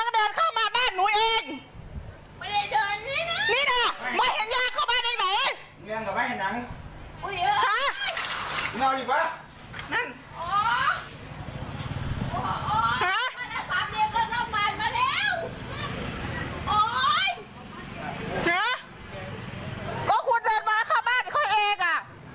เน้สกุลเดินมาเข้ามาบ้านแค่เองอะ